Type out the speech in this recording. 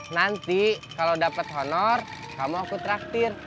nanti kalau dapat honor kamu aku traktir